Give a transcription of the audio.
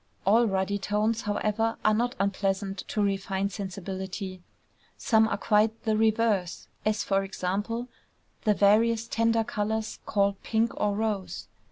All ruddy tones, however, are not unpleasant to refined sensibility: some are quite the reverse, as, for example, the various tender colors called pink or rose.